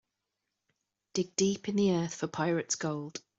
Dig deep in the earth for pirate's gold.